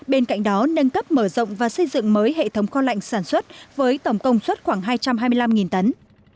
bên cạnh đó nâng cấp mở rộng và xây dựng mới hệ thống kho lạnh sản xuất với tổng công suất khoảng hai trăm hai mươi năm tấn